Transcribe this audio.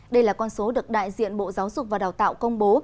đây là con số được đại diện bộ giáo dục và đào tạo công bố